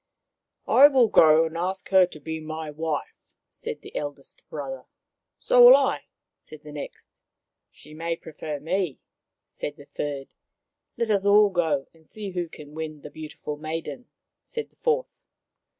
" I will go and ask her to be my wife," said the eldest brother. 177 *7S Maoriland Fairy Tales So will I," said the next. She may prefer me," said the third. Let us all go and see who can win the beauti ful maiden/' said the fourth.